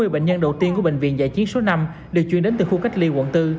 hai mươi bệnh nhân đầu tiên của bệnh viện giải chiến số năm được chuyển đến từ khu cách ly quận bốn